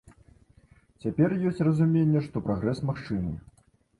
Цяпер ёсць разуменне, што прагрэс магчымы.